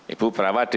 ibu perawat ada